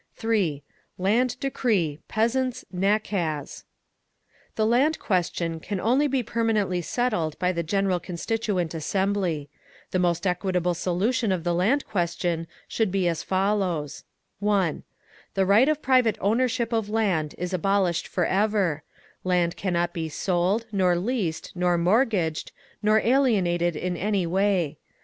3. LAND DECREE—PEASANTS' "NAKAZ" The Land question can only be permanently settled by the general Constituent Assembly. The most equitable solution of the Land question should be as follows: 1. The right of private ownership of land is abolished forever; land cannot be sold, nor leased, nor mortgaged, nor alienated in any way.